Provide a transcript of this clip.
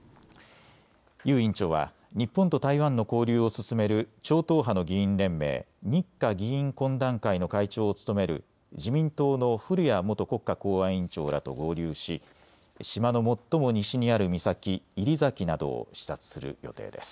游院長は日本と台湾の交流を進める超党派の議員連盟日華議員懇談会の会長を務める自民党の古屋元国家公安委員長らと合流し島の最も西にある岬西崎などを視察する予定です。